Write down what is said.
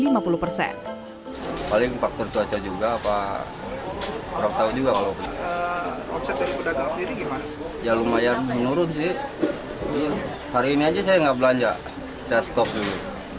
ya lumayan menurut sih hari ini aja saya nggak belanja saya stop dulu